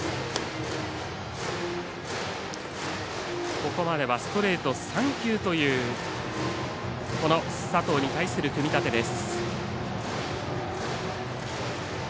ここまではストレート３球という佐藤に対する組み立てです。